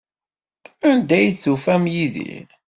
Anda ay d-ufant Yidir?